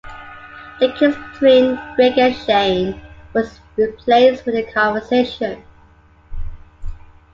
The kiss between Greg and Shane was replaced with a conversation.